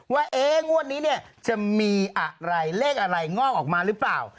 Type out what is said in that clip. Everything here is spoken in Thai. ว่างวดนี้เนี่ยจะมีอะไรเลขอะไรงอกออกมาหรือเปล่า